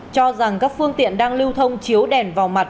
cho rằng các phương tiện đang lưu thông chiếu đèn vào mặt